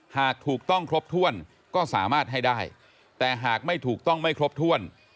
หากถูกต้องครบถ้วนก็สามารถให้ได้แต่หากไม่ถูกต้องไม่ครบถ้วน